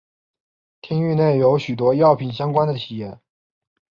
町域内有许多药品相关的企业。